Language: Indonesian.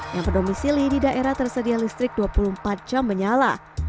yang berdomisili di daerah tersedia listrik dua puluh empat jam menyala